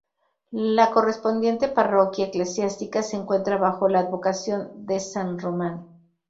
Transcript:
La correspondiente parroquia eclesiástica se encuentra bajo la advocación de san Román.